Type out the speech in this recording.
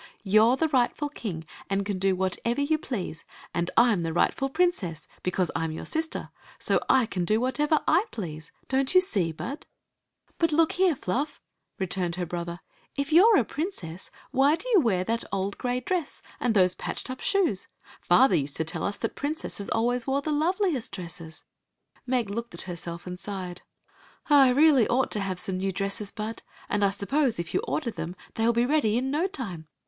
You 're the rightful king, and can do whatever you please; and I 'm the rightful princess, because I 'm your sister; so I can do whatever / please. Don't you see, Bud?" 58 (^een Zixi of Ix; or, the "But, look here, Fluff, returned her brother, "if you 're a princess, why do you wear that old gray dress and those patched up shoes? Father used to tell us that princesses always wore the loveliest dresses. Meg looked at herself and sighed. " I really ought to have some new dresses. Bud. And I suppose if you order them they will be ready in no time.